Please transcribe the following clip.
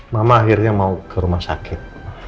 mama akhirnya mau ke rumah sakit